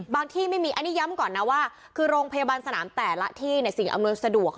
ที่ไม่มีอันนี้ย้ำก่อนนะว่าคือโรงพยาบาลสนามแต่ละที่สิ่งอำนวยสะดวก